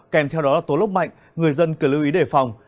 kèm theo đó là tố lốc mạnh người dân cần lưu ý đề phòng